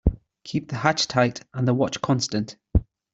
Keep the hatch tight and the watch constant.